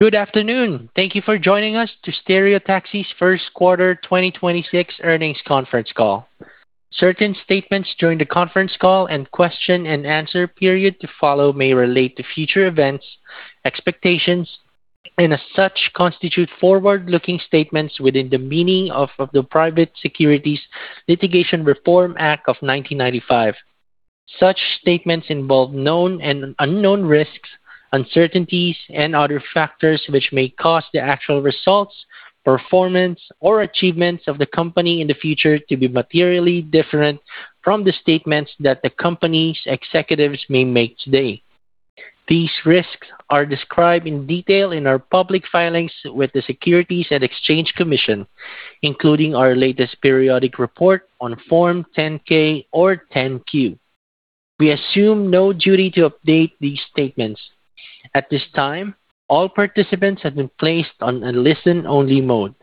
Good afternoon. Thank you for joining us to Stereotaxis' First Quarter 2026 Earnings Conference Call. Certain statements during the conference call and question-and-answer period to follow may relate to future events, expectations, and as such, constitute forward-looking statements within the meaning of the Private Securities Litigation Reform Act of 1995. Such statements involve known and unknown risks, uncertainties, and other factors which may cause the actual results, performance, or achievements of the company in the future to be materially different from the statements that the company's executives may make today. These risks are described in detail in our public filings with the Securities and Exchange Commission, including our latest periodic report on Form 10-K or 10-Q. We assume no duty to update these statements. At this time, all participants have been placed on a listen-only mode.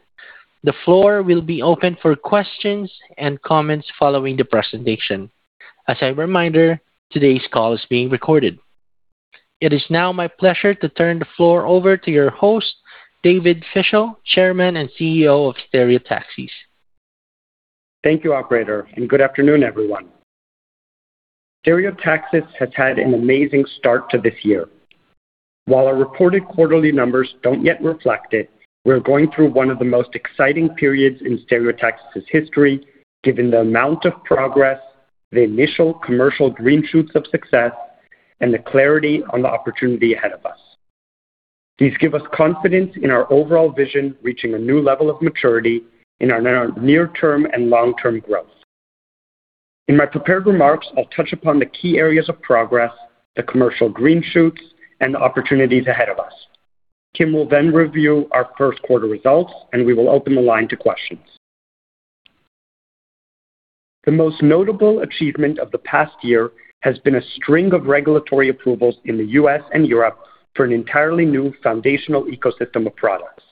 The floor will be open for questions and comments following the presentation. As a reminder, today's call is being recorded. It is now my pleasure to turn the floor over to your host, David Fischel, Chairman and CEO of Stereotaxis. Thank you, operator. Good afternoon, everyone. Stereotaxis has had an amazing start to this year. While our reported quarterly numbers don't yet reflect it, we're going through one of the most exciting periods in Stereotaxis' history, given the amount of progress, the initial commercial green shoots of success, and the clarity on the opportunity ahead of us. These give us confidence in our overall vision, reaching a new level of maturity in our near-term and long-term growth. In my prepared remarks, I'll touch upon the key areas of progress, the commercial green shoots, and the opportunities ahead of us. Kim will then review our first quarter results, and we will open the line to questions. The most notable achievement of the past year has been a string of regulatory approvals in the U.S. and Europe for an entirely new foundational ecosystem of products.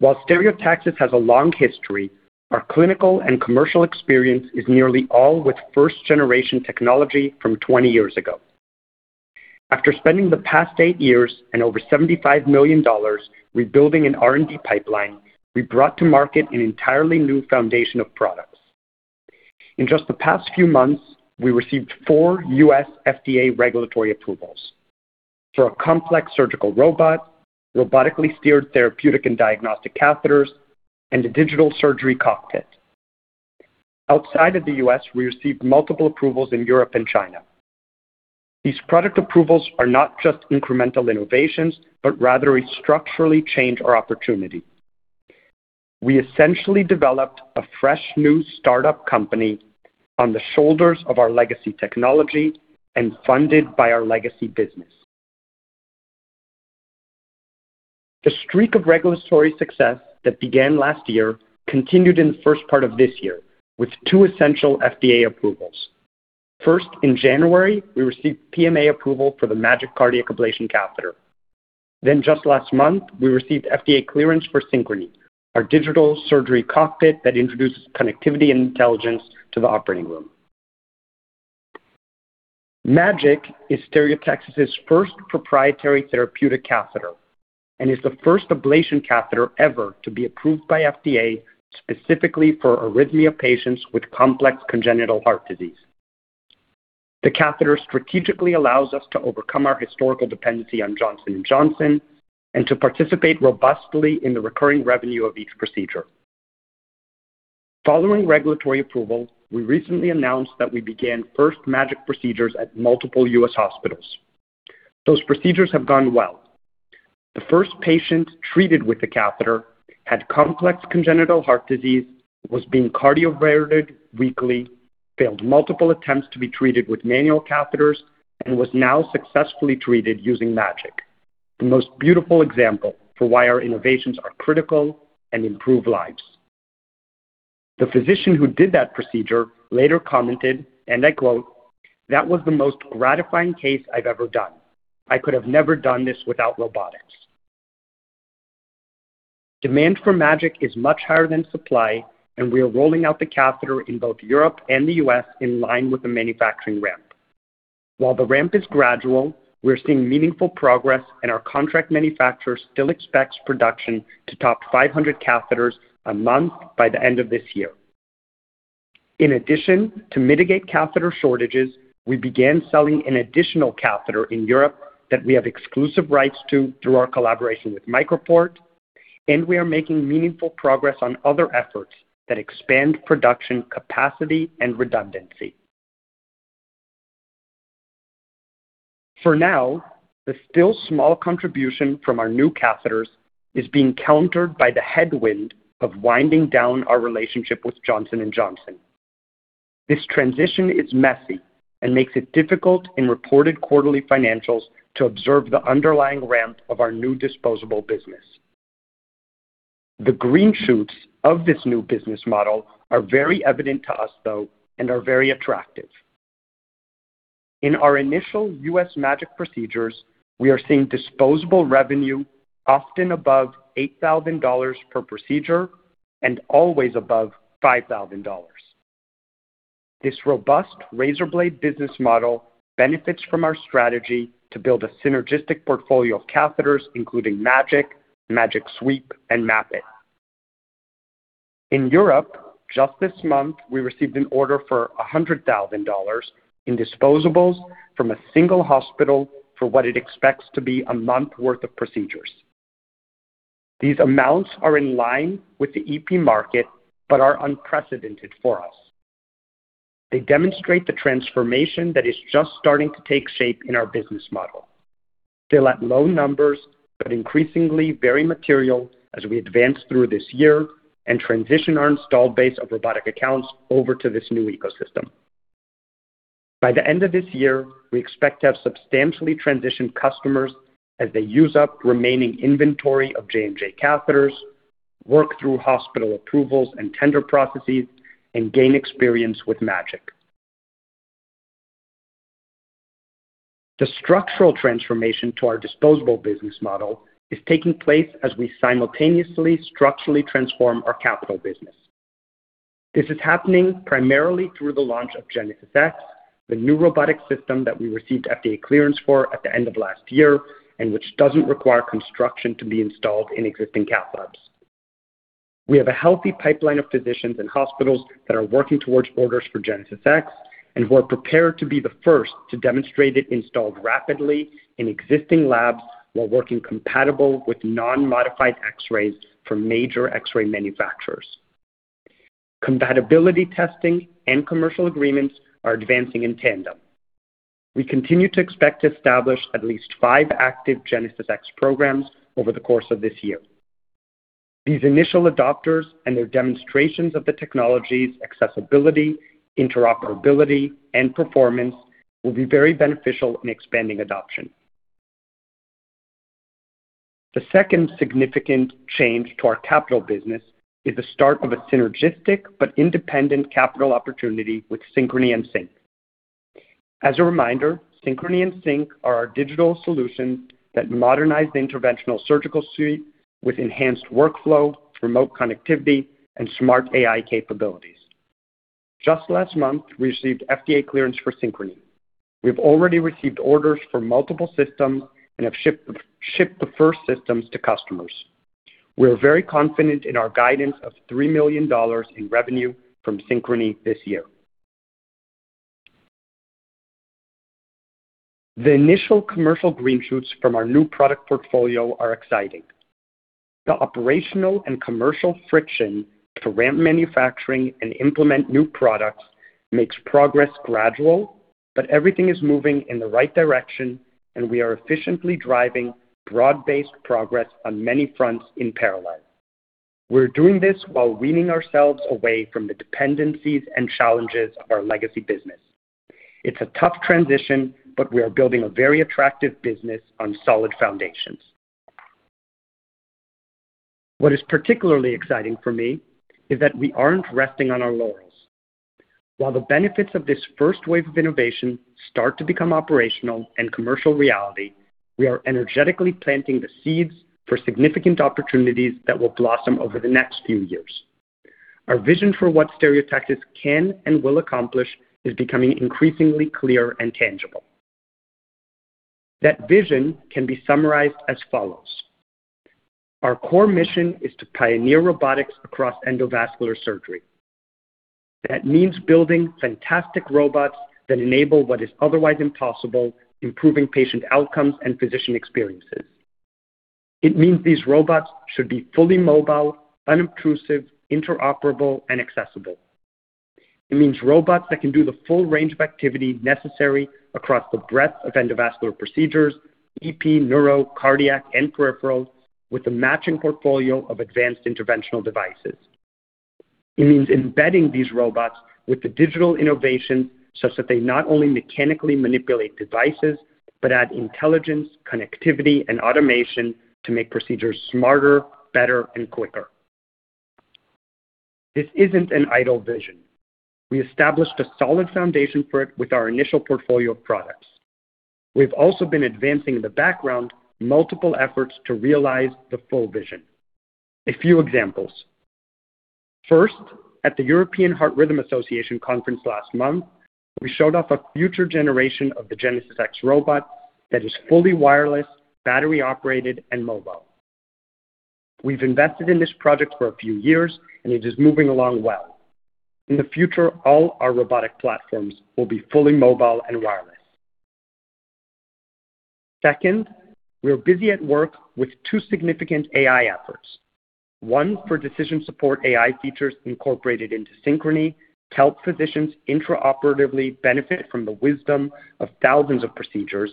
While Stereotaxis has a long history, our clinical and commercial experience is nearly all with first generation technology from 20 years ago. After spending the past eight years and over $75 million rebuilding an R&D pipeline, we brought to market an entirely new foundation of products. In just the past few months, we received four U.S. FDA regulatory approvals for a complex surgical robot, robotically steered therapeutic and diagnostic catheters, and a digital surgery cockpit. Outside of the U.S., we received multiple approvals in Europe and China. These product approvals are not just incremental innovations, but rather we structurally change our opportunity. We essentially developed a fresh new startup company on the shoulders of our legacy technology and funded by our legacy business. The streak of regulatory success that began last year continued in the first part of this year with two essential FDA approvals. First, in January, we received PMA approval for the MAGiC cardiac ablation catheter. Just last month, we received FDA clearance for Synchrony, our digital surgery cockpit that introduces connectivity and intelligence to the operating room. MAGiC is Stereotaxis' first proprietary therapeutic catheter and is the first ablation catheter ever to be approved by FDA specifically for arrhythmia patients with complex congenital heart disease. The catheter strategically allows us to overcome our historical dependency on Johnson & Johnson and to participate robustly in the recurring revenue of each procedure. Following regulatory approval, we recently announced that we began first MAGiC procedures at multiple U.S. hospitals. Those procedures have gone well. The first patient treated with the catheter had complex congenital heart disease, was being cardioverted weekly, failed multiple attempts to be treated with manual catheters, and was now successfully treated using MAGiC. The most beautiful example for why our innovations are critical and improve lives. The physician who did that procedure later commented, and I quote, "That was the most gratifying case I've ever done. I could have never done this without robotics." Demand for MAGiC is much higher than supply, and we are rolling out the catheter in both Europe and the U.S. in line with the manufacturing ramp. While the ramp is gradual, we're seeing meaningful progress, and our contract manufacturer still expects production to top 500 catheters a month by the end of this year. In addition, to mitigate catheter shortages, we began selling an additional catheter in Europe that we have exclusive rights to through our collaboration with MicroPort, and we are making meaningful progress on other efforts that expand production capacity and redundancy. For now, the still small contribution from our new catheters is being countered by the headwind of winding down our relationship with Johnson & Johnson. This transition is messy and makes it difficult in reported quarterly financials to observe the underlying ramp of our new disposable business. The green shoots of this new business model are very evident to us, though, and are very attractive. In our initial U.S. MAGiC procedures, we are seeing disposable revenue often above $8,000 per procedure and always above $5,000. This robust razor blade business model benefits from our strategy to build a synergistic portfolio of catheters including MAGiC, MAGiC Sweep, and Map-iT. In Europe, just this month, we received an order for $100,000 in disposables from a single hospital for what it expects to be a month worth of procedures. These amounts are in line with the EP market but are unprecedented for us. They demonstrate the transformation that is just starting to take shape in our business model. Still at low numbers, but increasingly very material as we advance through this year and transition our installed base of robotic accounts over to this new ecosystem. By the end of this year, we expect to have substantially transitioned customers as they use up remaining inventory of J&J catheters, work through hospital approvals and tender processes, and gain experience with MAGiC. The structural transformation to our disposable business model is taking place as we simultaneously structurally transform our capital business. This is happening primarily through the launch of GenesisX, the new robotic system that we received FDA clearance for at the end of last year, and which doesn't require construction to be installed in existing cath labs. We have a healthy pipeline of physicians and hospitals that are working towards orders for GenesisX and who are prepared to be the first to demonstrate it installed rapidly in existing labs while working compatible with non-modified X-rays from major X-ray manufacturers. Compatibility testing and commercial agreements are advancing in tandem. We continue to expect to establish at least five active GenesisX programs over the course of this year. These initial adopters and their demonstrations of the technology's accessibility, interoperability, and performance will be very beneficial in expanding adoption. The second significant change to our capital business is the start of a synergistic but independent capital opportunity with Synchrony and SynX. As a reminder, Synchrony and SynX are our digital solutions that modernize the interventional surgical suite with enhanced workflow, remote connectivity, and smart AI capabilities. Just last month, we received FDA clearance for Synchrony. We have already received orders for multiple systems and have shipped the first systems to customers. We're very confident in our guidance of $3 million in revenue from Synchrony this year. The initial commercial green shoots from our new product portfolio are exciting. The operational and commercial friction to ramp manufacturing and implement new products makes progress gradual. Everything is moving in the right direction, and we are efficiently driving broad-based progress on many fronts in parallel. We're doing this while weaning ourselves away from the dependencies and challenges of our legacy business. It's a tough transition. We are building a very attractive business on solid foundations. What is particularly exciting for me is that we aren't resting on our laurels. While the benefits of this first wave of innovation start to become operational and commercial reality, we are energetically planting the seeds for significant opportunities that will blossom over the next few years. Our vision for what Stereotaxis can and will accomplish is becoming increasingly clear and tangible. That vision can be summarized as follows. Our core mission is to pioneer robotics across endovascular surgery. That means building fantastic robots that enable what is otherwise impossible, improving patient outcomes and physician experiences. It means these robots should be fully mobile, unobtrusive, interoperable, and accessible. It means robots that can do the full range of activity necessary across the breadth of endovascular procedures, EP, neuro, cardiac, and peripheral, with a matching portfolio of advanced interventional devices. It means embedding these robots with the digital innovation, such that they not only mechanically manipulate devices, but add intelligence, connectivity, and automation to make procedures smarter, better, and quicker. This isn't an idle vision. We established a solid foundation for it with our initial portfolio of products. We've also been advancing in the background multiple efforts to realize the full vision. A few examples. First, at the European Heart Rhythm Association conference last month, we showed off a future generation of the GenesisX robot that is fully wireless, battery-operated, and mobile. We've invested in this project for a few years, and it is moving along well. In the future, all our robotic platforms will be fully mobile and wireless. Second, we are busy at work with two significant AI efforts. One for decision support AI features incorporated into Synchrony to help physicians intraoperatively benefit from the wisdom of thousands of procedures.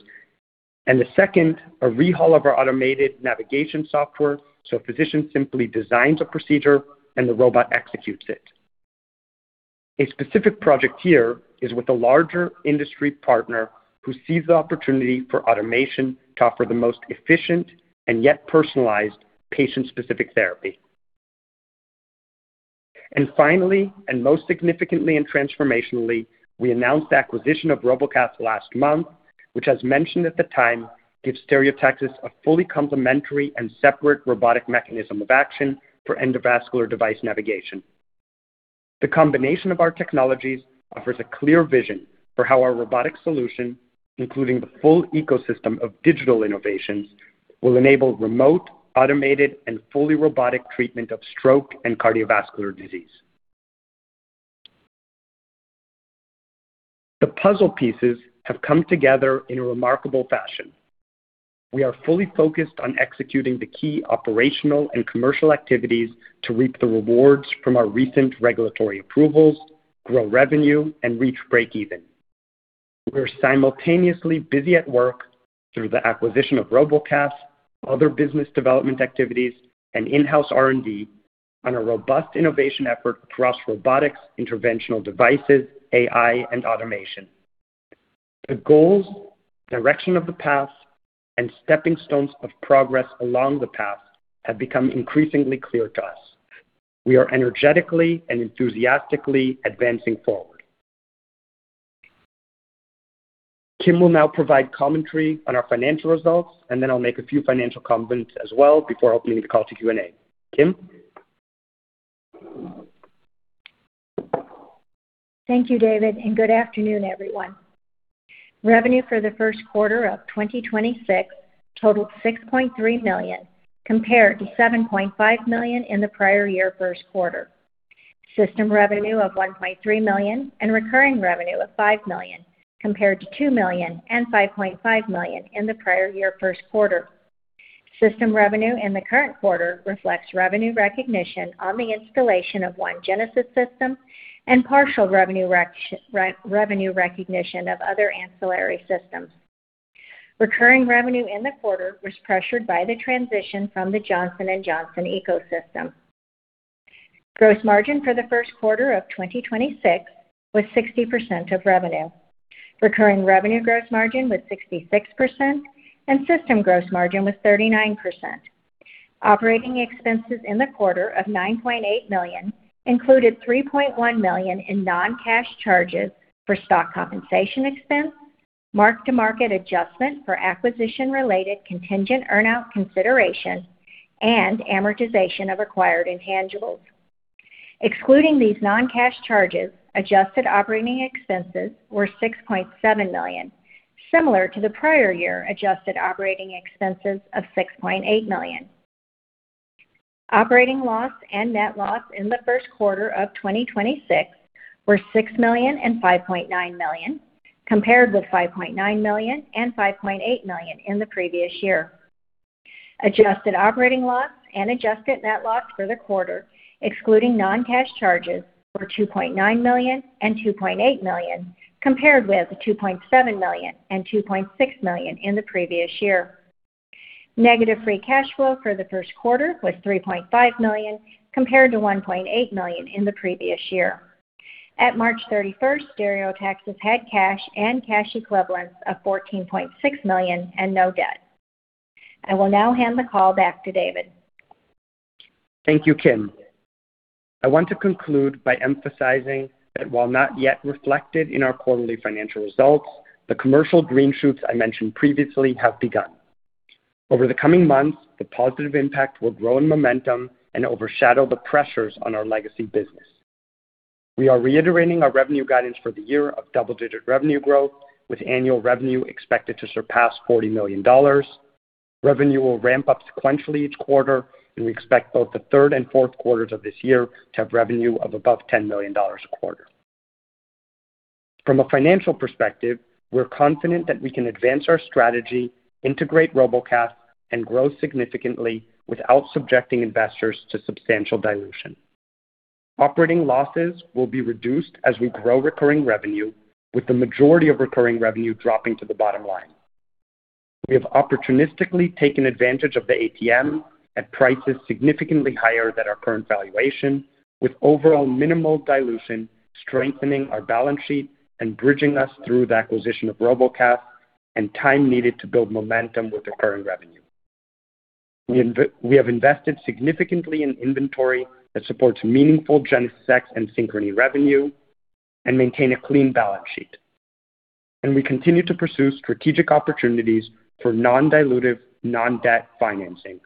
The second, a rehaul of our automated navigation software, so a physician simply designs a procedure and the robot executes it. A specific project here is with a larger industry partner who sees the opportunity for automation to offer the most efficient and yet personalized patient-specific therapy. Finally, and most significantly and transformationally, we announced the acquisition of Robocath last month. Which as mentioned at the time, gives Stereotaxis a fully complementary and separate robotic mechanism of action for endovascular device navigation. The combination of our technologies offers a clear vision for how our robotic solution, including the full ecosystem of digital innovations, will enable remote, automated, and fully robotic treatment of stroke and cardiovascular disease. The puzzle pieces have come together in a remarkable fashion. We are fully focused on executing the key operational and commercial activities to reap the rewards from our recent regulatory approvals, grow revenue, and reach breakeven. We're simultaneously busy at work through the acquisition of Robocath, other business development activities, and in-house R&D on a robust innovation effort across robotics, interventional devices, AI, and automation. The goals, direction of the paths, and stepping stones of progress along the path have become increasingly clear to us. We are energetically and enthusiastically advancing forward. Kim will now provide commentary on our financial results, and then I'll make a few financial comments as well before opening the call to Q&A. Kim? Thank you, David, and good afternoon, everyone. Revenue for the first quarter of 2026 totaled $6.3 million, compared to $7.5 million in the prior year first quarter. System revenue of $1.3 million and recurring revenue of $5 million, compared to $2 million and $5.5 million in the prior year first quarter. System revenue in the current quarter reflects revenue recognition on the installation of one Genesis system and partial revenue recognition of other ancillary systems. Recurring revenue in the quarter was pressured by the transition from the Johnson & Johnson ecosystem. Gross margin for the first quarter of 2026 was 60% of revenue. Recurring revenue gross margin was 66%, and system gross margin was 39%. Operating expenses in the quarter of $9.8 million included $3.1 million in non-cash charges for stock compensation expense, mark-to-market adjustment for acquisition-related contingent earn-out consideration, and amortization of acquired intangibles. Excluding these non-cash charges, adjusted operating expenses were $6.7 million, similar to the prior year adjusted operating expenses of $6.8 million. Operating loss and net loss in the first quarter of 2026 were $6 million and $5.9 million, compared with $5.9 million and $5.8 million in the previous year. Adjusted operating loss and adjusted net loss for the quarter, excluding non-cash charges, were $2.9 million and $2.8 million, compared with $2.7 million and $2.6 million in the previous year. Negative free cash flow for the first quarter was $3.5 million, compared to $1.8 million in the previous year. At March 31st, Stereotaxis had cash and cash equivalents of $14.6 million and no debt. I will now hand the call back to David. Thank you, Kim. I want to conclude by emphasizing that while not yet reflected in our quarterly financial results, the commercial green shoots I mentioned previously have begun. Over the coming months, the positive impact will grow in momentum and overshadow the pressures on our legacy business. We are reiterating our revenue guidance for the year of double-digit revenue growth, with annual revenue expected to surpass $40 million. Revenue will ramp up sequentially each quarter, and we expect both the third and fourth quarters of this year to have revenue of above $10 million a quarter. From a financial perspective, we're confident that we can advance our strategy, integrate Robocath, and grow significantly without subjecting investors to substantial dilution. Operating losses will be reduced as we grow recurring revenue, with the majority of recurring revenue dropping to the bottom line. We have opportunistically taken advantage of the ATM at prices significantly higher than our current valuation, with overall minimal dilution, strengthening our balance sheet and bridging us through the acquisition of Robocath and time needed to build momentum with recurring revenue. We have invested significantly in inventory that supports meaningful GenesisX and Synchrony revenue and maintain a clean balance sheet. We continue to pursue strategic opportunities for non-dilutive, non-debt financing.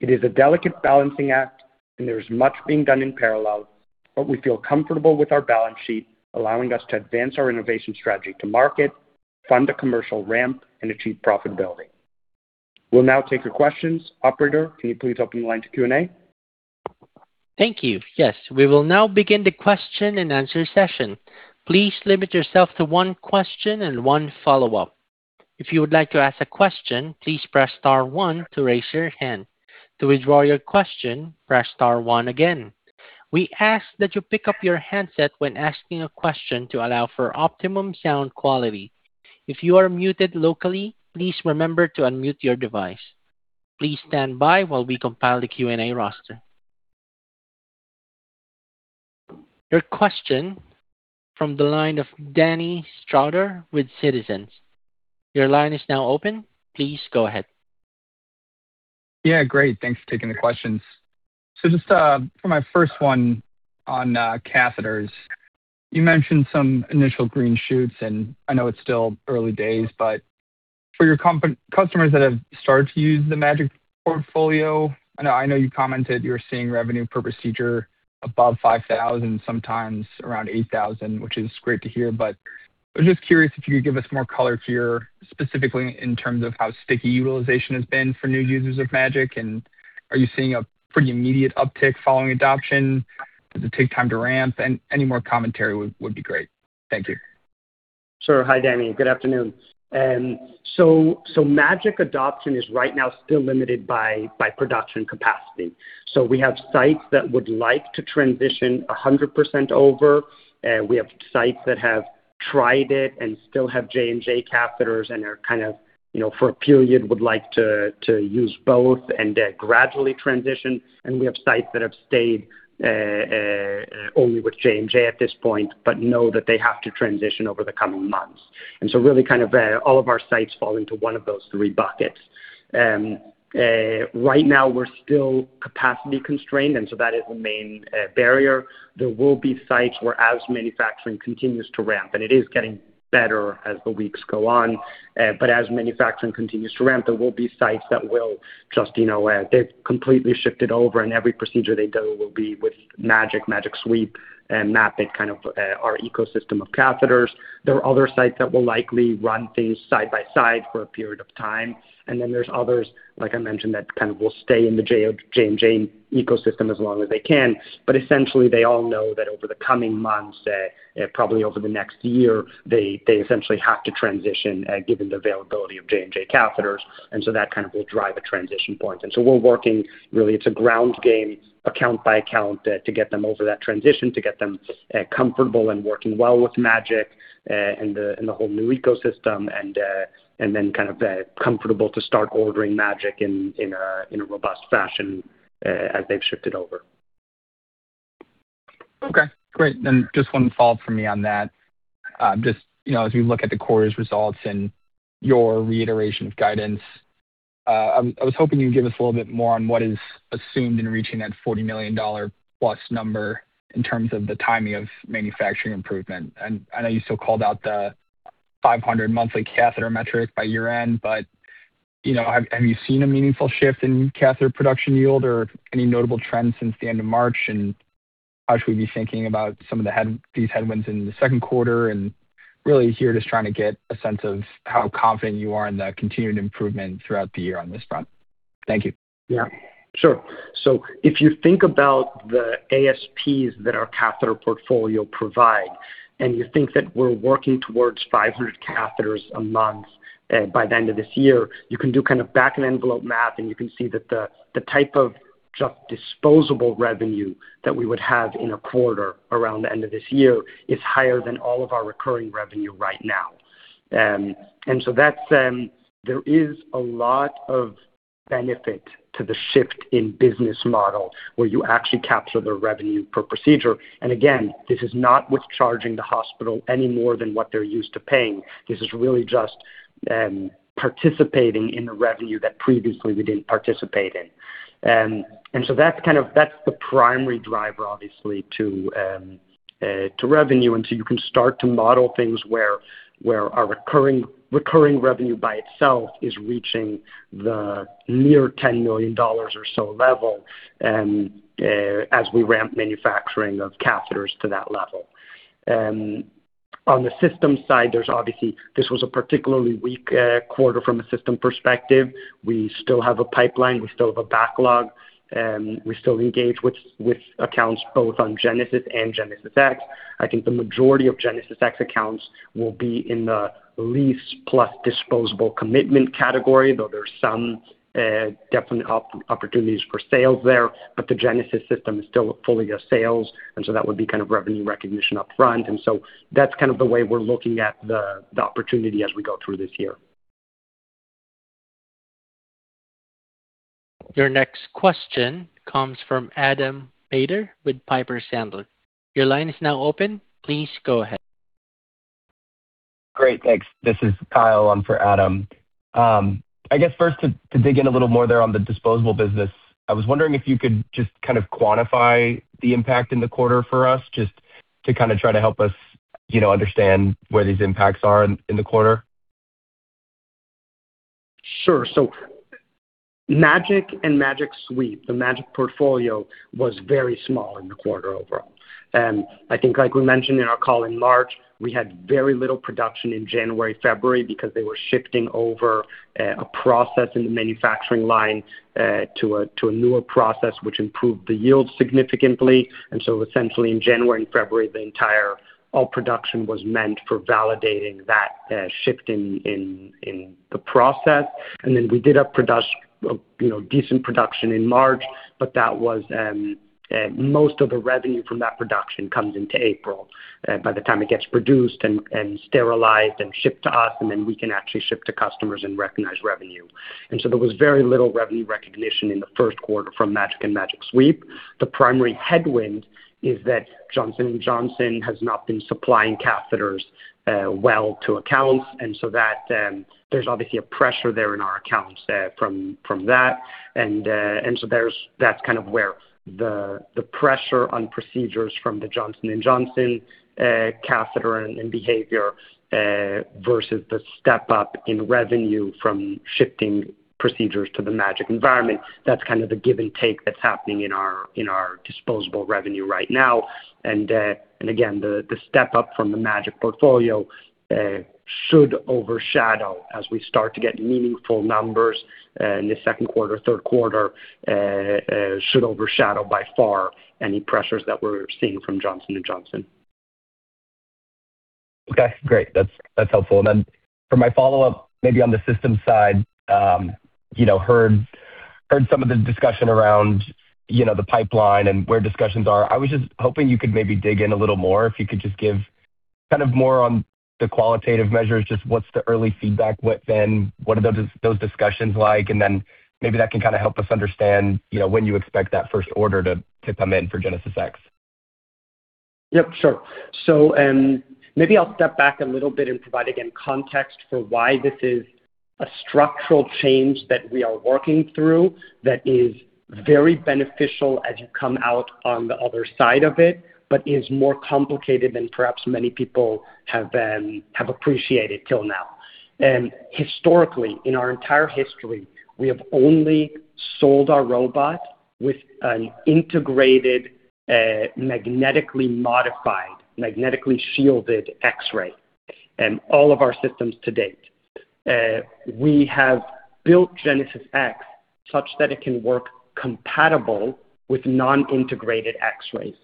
It is a delicate balancing act and there is much being done in parallel, but we feel comfortable with our balance sheet allowing us to advance our innovation strategy to market, fund a commercial ramp, and achieve profitability. We'll now take your questions. Operator, can you please open the line to Q&A? Thank you. Yes, we will now begin the question and answer session. Please limit yourself to one question and one follow up. If you like to ask a question, please press star one to raise your hand. To withdraw your question, please press star one again. We ask that you pick up your handset when asking a question to allow for optimum sound quality if your are muted locally, please remember to unmute your device. Please stand by while we compile the Q&A roster. Your question from the line of Danny Stauder with Citizens. Your line is now open. Please go ahead. Yeah, great. Thanks for taking the questions. Just for my first one on catheters. You mentioned some initial green shoots, and I know it's still early days, but for your customers that have started to use the MAGiC portfolio, I know you commented you're seeing revenue per procedure above $5,000, sometimes around $8,000, which is great to hear. I was just curious if you could give us more color here, specifically in terms of how sticky utilization has been for new users of MAGiC. Are you seeing a pretty immediate uptick following adoption? Does it take time to ramp? Any more commentary would be great. Thank you. Sure. Hi, Danny. Good afternoon. So MAGiC adoption is right now still limited by production capacity. We have sites that would like to transition 100% over, we have sites that have tried it and still have J&J catheters and are kind of, you know, for a period would like to use both and gradually transition. We have sites that have stayed only with J&J at this point, but know that they have to transition over the coming months. Really kind of, all of our sites fall into one of those three buckets. Right now we're still capacity constrained, that is the main barrier. There will be sites where as manufacturing continues to ramp, and it is getting better as the weeks go on. As manufacturing continues to ramp, there will be sites that will just, you know, they've completely shifted over and every procedure they do will be with MAGiC, MAGiC Sweep and Map-iT kind of, our ecosystem of catheters. There are other sites that will likely run things side by side for a period of time. There's others, like I mentioned, that kind of will stay in the J&J ecosystem as long as they can. Essentially, they all know that over the coming months, probably over the next year, they essentially have to transition, given the availability of J&J catheters. That kind of will drive a transition point. We're working really to ground game account by account to get them over that transition, to get them comfortable and working well with MAGiC, and the whole new ecosystem and then kind of comfortable to start ordering MAGiC in a robust fashion as they've shifted over. Okay, great. Just one follow-up from me on that. Just, you know, as we look at the quarter's results and your reiteration of guidance, I was hoping you'd give us a little bit more on what is assumed in reaching that $40 million plus number in terms of the timing of manufacturing improvement. I know you still called out the 500 monthly catheter metric by year-end, but, you know, have you seen a meaningful shift in catheter production yield or any notable trends since the end of March? How should we be thinking about some of these headwinds in the second quarter? Really here, just trying to get a sense of how confident you are in the continued improvement throughout the year on this front. Thank you. Yeah, sure. If you think about the ASPs that our catheter portfolio provide, and you think that we're working towards 500 catheters a month by the end of this year, you can do kind of back-end envelope math, and you can see that the type of just disposable revenue that we would have in a quarter around the end of this year is higher than all of our recurring revenue right now. That's there is a lot of benefit to the shift in business model where you actually capture the revenue per procedure. And again, this is not with charging the hospital any more than what they're used to paying. This is really just participating in the revenue that previously we didn't participate in. That's the primary driver, obviously, to revenue. You can start to model things where our recurring revenue by itself is reaching the near $10 million or so level as we ramp manufacturing of catheters to that level. On the systems side, this was a particularly weak quarter from a system perspective. We still have a pipeline, we still have a backlog, we still engage with accounts both on Genesis and GenesisX. I think the majority of GenesisX accounts will be in the lease plus disposable commitment category, though there are some definite opportunities for sales there, but the Genesis system is still fully a sale, that would be kind of revenue recognition up front. That's kind of the way we're looking at the opportunity as we go through this year. Your next question comes from Adam Maeder with Piper Sandler. Your line is now open. Please go ahead. Great. Thanks. This is Kyle on for Adam. I guess first to dig in a little more there on the disposable business. I was wondering if you could just kind of quantify the impact in the quarter for us, just to kind of try to help us, you know, understand where these impacts are in the quarter. Sure. MAGiC and MAGiC Sweep, the MAGiC portfolio was very small in the quarter overall. I think like we mentioned in our call in March, we had very little production in January, February because they were shifting over a process in the manufacturing line to a newer process which improved the yield significantly. Essentially in January and February, the entire all production was meant for validating that shift in the process. Then we did have decent production in March, but that was most of the revenue from that production comes into April by the time it gets produced and sterilized and shipped to us, and then we can actually ship to customers and recognize revenue. There was very little revenue recognition in the first quarter from MAGiC and MAGiC Sweep. The primary headwind is that Johnson & Johnson has not been supplying catheters well to accounts, there's obviously a pressure there in our accounts from that. That's kind of where the pressure on procedures from the Johnson & Johnson catheter and behavior versus the step up in revenue from shifting procedures to the MAGiC environment. That's kind of the give and take that's happening in our disposable revenue right now. The step up from the MAGiC portfolio should overshadow as we start to get meaningful numbers in the second quarter, third quarter. Should overshadow by far any pressures that we're seeing from Johnson & Johnson. Okay, great. That's helpful. For my follow-up, maybe on the systems side, you know, heard some of the discussion around, you know, the pipeline and where discussions are. I was just hoping you could maybe dig in a little more, if you could just give kind of more on the qualitative measures. Just what's the early feedback? What are those discussions like? Maybe that can kinda help us understand, you know, when you expect that first order to come in for GenesisX. Yep, sure. Maybe I'll step back a little bit and provide, again, context for why this is a structural change that we are working through that is very beneficial as you come out on the other side of it, but is more complicated than perhaps many people have appreciated till now. Historically, in our entire history, we have only sold our robot with an integrated, magnetically modified, magnetically shielded X-ray, all of our systems to date. We have built GenesisX such that it can work compatible with non-integrated X-rays.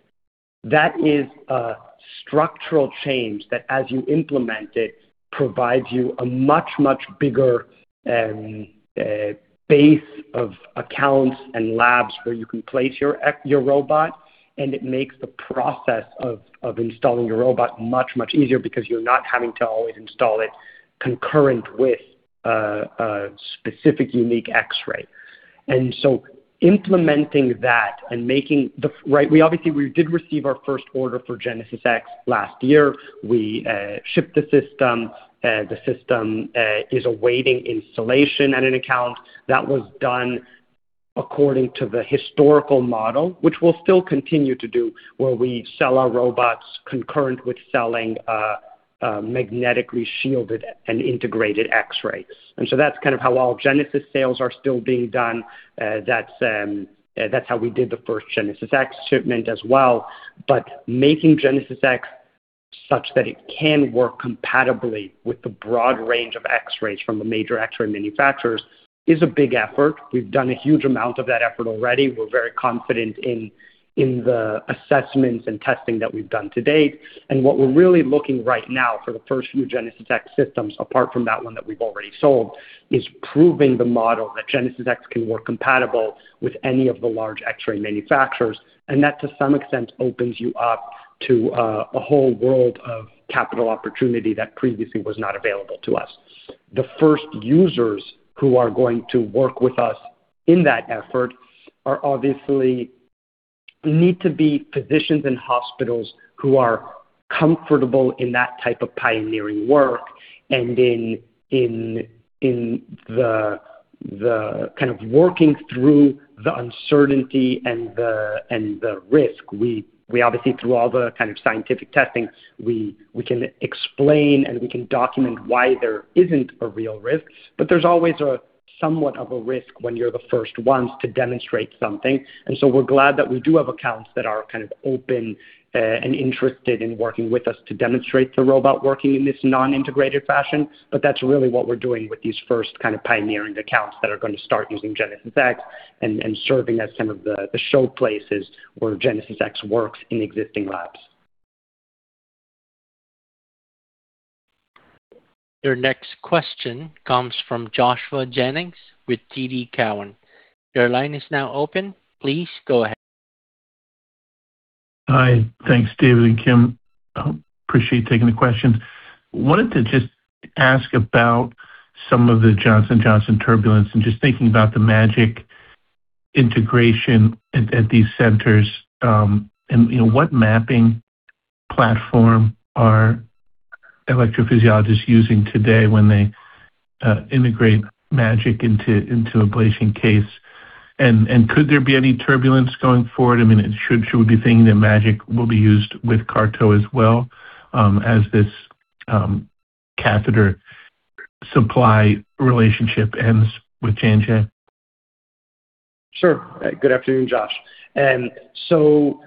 That is a structural change that, as you implement it, provides you a much, much bigger base of accounts and labs where you can place your robot, and it makes the process of installing your robot much, much easier because you're not having to always install it concurrent with a specific unique X-ray. Implementing that, we obviously did receive our first order for GenesisX last year. We shipped the system. The system is awaiting installation at an account. That was done according to the historical model, which we'll still continue to do, where we sell our robots concurrent with selling magnetically shielded and integrated X-rays. That's kind of how all Genesis sales are still being done. That's how we did the first GenesisX shipment as well. Making GenesisX such that it can work compatibly with the broad range of X-rays from the major X-ray manufacturers is a big effort. We've done a huge amount of that effort already. We're very confident in the assessments and testing that we've done to date. What we're really looking right now for the first few GenesisX systems, apart from that one that we've already sold, is proving the model that GenesisX can work compatible with any of the large X-ray manufacturers. That, to some extent, opens you up to a whole world of capital opportunity that previously was not available to us. The first users who are going to work with us in that effort are obviously need to be physicians and hospitals who are comfortable in that type of pioneering work and in the kind of working through the uncertainty and the risk. We obviously, through all the kind of scientific testing, we can explain, and we can document why there isn't a real risk. There's always a somewhat of a risk when you're the first ones to demonstrate something. We're glad that we do have accounts that are kind of open and interested in working with us to demonstrate the robot working in this non-integrated fashion. That's really what we're doing with these first kind of pioneering accounts that are gonna start using GenesisX and serving as some of the show places where GenesisX works in existing labs. Your next question comes from Joshua Jennings with TD Cowen. Your line is now open. Please go ahead. Hi. Thanks, David and Kim. Appreciate taking the question. Wanted to just ask about some of the Johnson & Johnson turbulence and just thinking about the MAGiC integration at these centers. You know, what mapping platform are electrophysiologists using today when they integrate MAGiC into ablation case. Could there be any turbulence going forward? I mean, should we be thinking that MAGiC will be used with CARTO as well as this catheter supply relationship ends with J&J? Sure. Good afternoon, Josh. So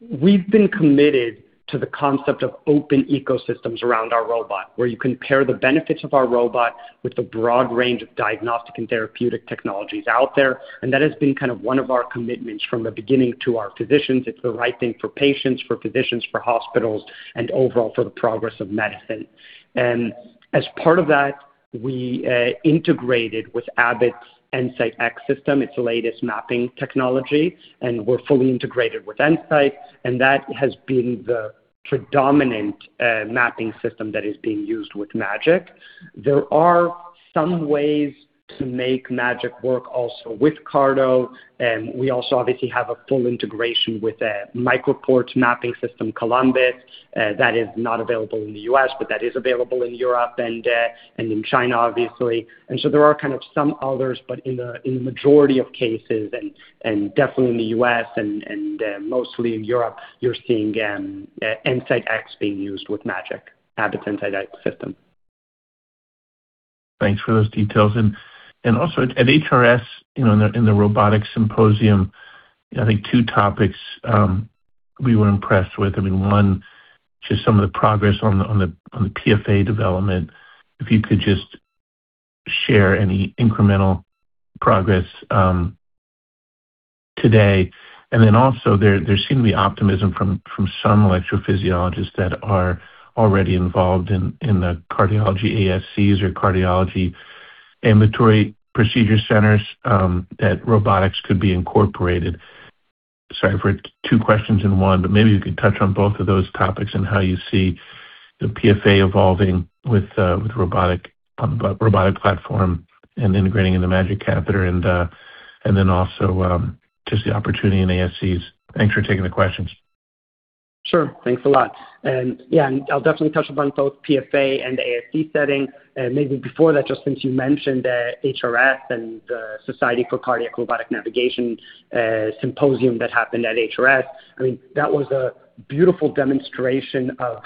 we've been committed to the concept of open ecosystems around our robot, where you can pair the benefits of our robot with the broad range of diagnostic and therapeutic technologies out there. That has been kind of one of our commitments from the beginning to our physicians. It's the right thing for patients, for physicians, for hospitals, and overall for the progress of medicine. As part of that, we integrated with Abbott's EnSite X system, its latest mapping technology, and we're fully integrated with EnSite, and that has been the predominant mapping system that is being used with MAGiC. There are some ways to make MAGiC work also with CARTO, and we also obviously have a full integration with MicroPort's mapping system, Columbus. That is not available in the U.S., that is available in Europe and in China obviously. There are kind of some others, in the majority of cases and definitely in the U.S. and mostly in Europe, you're seeing EnSite X being used with MAGiC, Abbott's EnSite X system. Thanks for those details. Also at HRS, you know, in the robotics symposium, I think two topics we were impressed with. I mean, one, just some of the progress on the PFA development. If you could just share any incremental progress today. Then also, there seemed to be optimism from some electrophysiologists that are already involved in the cardiology ASCs or cardiology ambulatory procedure centers that robotics could be incorporated. Sorry for two questions in one, but maybe you could touch on both of those topics and how you see the PFA evolving with robotic, on the robotic platform and integrating in the MAGiC catheter and then also, just the opportunity in ASCs. Thanks for taking the questions. Sure. Thanks a lot. Yeah, I'll definitely touch upon both PFA and the ASC setting. Maybe before that, just since you mentioned HRS and the Society for Cardiac Robotic Navigation symposium that happened at HRS, I mean, that was a beautiful demonstration of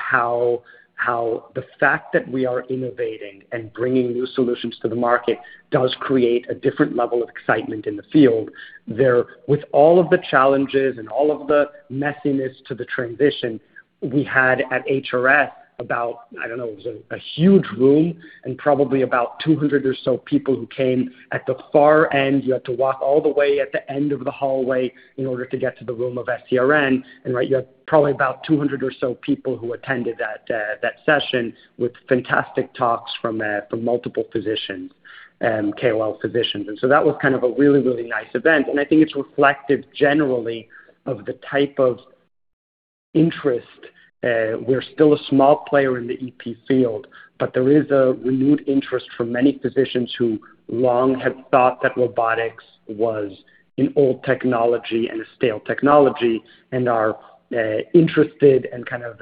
how the fact that we are innovating and bringing new solutions to the market does create a different level of excitement in the field. There With all of the challenges and all of the messiness to the transition, we had at HRS about, I don't know, it was a huge room and probably about 200 or so people who came. At the far end, you had to walk all the way at the end of the hallway in order to get to the room of SCRN. Right, you had probably about 200 or so people who attended that session with fantastic talks from multiple physicians and KOL physicians. That was kind of a really nice event. I think it's reflective generally of the type of interest. We're still a small player in the EP field, but there is a renewed interest from many physicians who long had thought that robotics was an old technology and a stale technology, and are interested and kind of,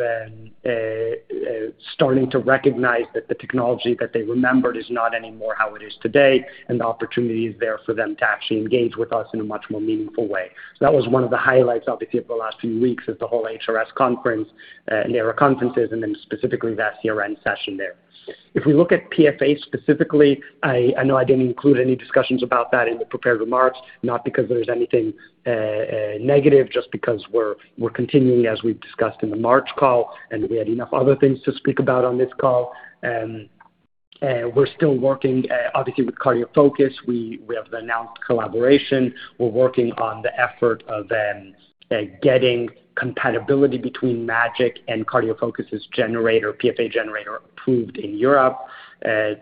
starting to recognize that the technology that they remembered is not anymore how it is today, and the opportunity is there for them to actually engage with us in a much more meaningful way. That was one of the highlights, obviously, of the last few weeks as the whole HRS conference, neuroconferences, and then specifically the SCRN session there. If we look at PFA specifically, I know I didn't include any discussions about that in the prepared remarks, not because there's anything negative, just because we're continuing as we've discussed in the March call, and we had enough other things to speak about on this call. We're still working, obviously with CardioFocus. We have the announced collaboration. We're working on the effort of getting compatibility between MAGiC and CardioFocus' generator, PFA generator approved in Europe.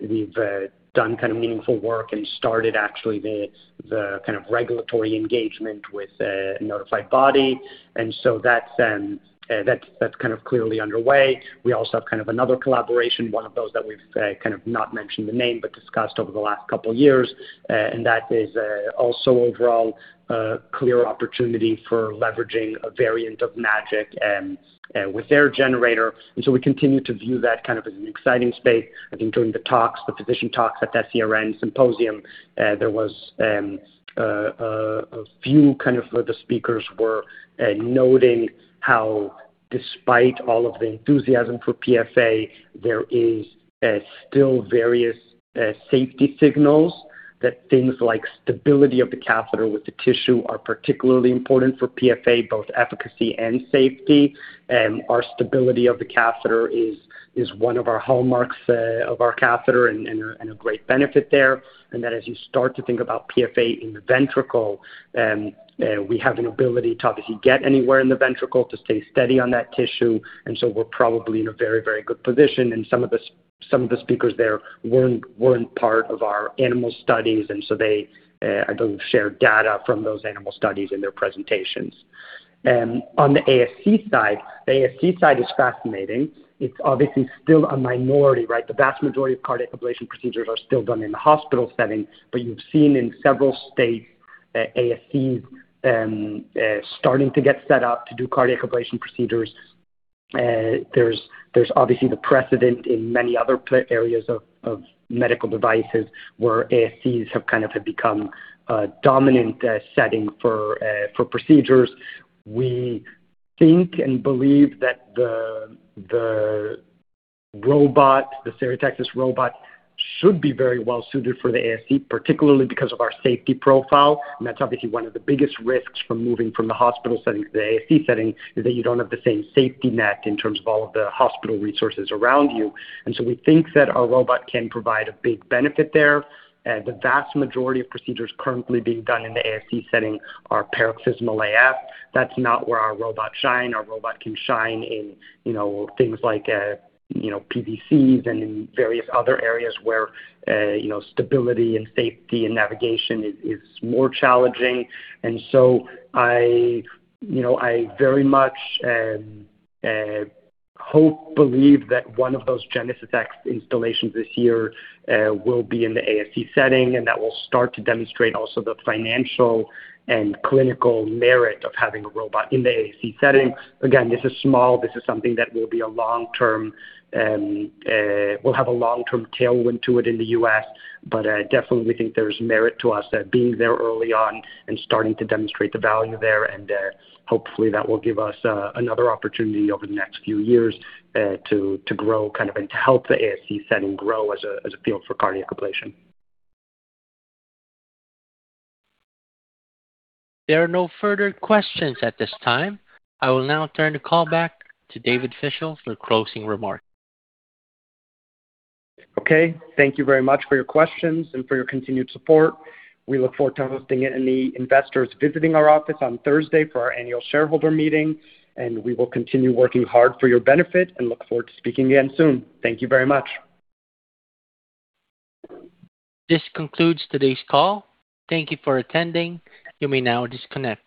We've done kind of meaningful work and started actually the kind of regulatory engagement with a notified body. That's kind of clearly underway. We also have kind of another collaboration, one of those that we've kind of not mentioned the name, but discussed over the last couple of years. That is also overall a clear opportunity for leveraging a variant of MAGiC with their generator. We continue to view that kind of as an exciting space. I think during the talks, the physician talks at the SCRN symposium, there was a few kind of where the speakers were noting how despite all of the enthusiasm for PFA, there is still various safety signals that things like stability of the catheter with the tissue are particularly important for PFA, both efficacy and safety. Our stability of the catheter is one of our hallmarks of our catheter and a great benefit there. As you start to think about PFA in the ventricle, we have an ability to obviously get anywhere in the ventricle to stay steady on that tissue. We're probably in a very, very good position. Some of the speakers there weren't part of our animal studies, and so they, I believe, shared data from those animal studies in their presentations. On the ASC side, the ASC side is fascinating. It's obviously still a minority, right? The vast majority of cardiac ablation procedures are still done in the hospital setting. You've seen in several states that ASC starting to get set up to do cardiac ablation procedures. There's obviously the precedent in many other areas of medical devices where ASCs have kind of become a dominant setting for procedures. We think and believe that the robot, the Stereotaxis' robot should be very well suited for the ASC, particularly because of our safety profile. That's obviously one of the biggest risks from moving from the hospital setting to the ASC setting, is that you don't have the same safety net in terms of all of the hospital resources around you. We think that our robot can provide a big benefit there. The vast majority of procedures currently being done in the ASC setting are paroxysmal AF. That's not where our robot shine. Our robot can shine in, things like PVCs and in various other areas where stability and safety and navigation is more challenging. I very much hope, believe that one of those GenesisX installations this year will be in the ASC setting, and that will start to demonstrate also the financial and clinical merit of having a robot in the ASC setting. Again, this is small. This is something that will be a long-term, will have a long-term tailwind to it in the U.S. definitely think there's merit to us being there early on and starting to demonstrate the value there. Hopefully that will give us another opportunity over the next few years to grow kind of and to help the ASC setting grow as a field for cardiac ablation. There are no further questions at this time. I will now turn the call back to David Fischel for closing remarks. Okay. Thank you very much for your questions and for your continued support. We look forward to hosting any investors visiting our office on Thursday for our annual shareholder meeting. And we will continue working hard for your benefit and look forward to speaking again soon. Thank you very much. This concludes today's call. Thank you for attending. You may now disconnect.